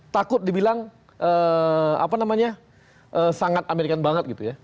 takut dibilang apa namanya sangat american banget gitu ya